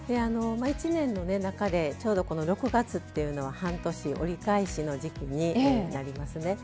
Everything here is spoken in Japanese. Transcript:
１年の中でちょうどこの６月っていうのは半年折り返しの時期になりますね。